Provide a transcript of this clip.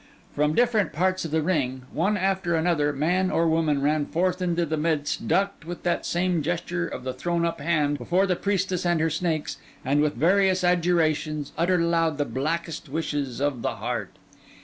From different parts of the ring, one after another, man or woman, ran forth into the midst; ducked, with that same gesture of the thrown up hand, before the priestess and her snakes; and with various adjurations, uttered aloud the blackest wishes of the heart.